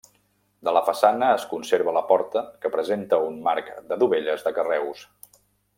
De la façana es conserva la porta que presenta un marc de dovelles de carreus.